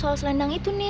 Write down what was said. ibu kandung gue